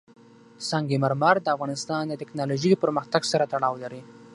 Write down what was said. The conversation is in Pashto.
سنگ مرمر د افغانستان د تکنالوژۍ پرمختګ سره تړاو لري.